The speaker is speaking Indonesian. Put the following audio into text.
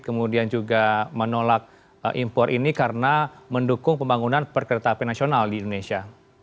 kemudian juga menolak impor ini karena mendukung pembangunan perkereta apian nasional di indonesia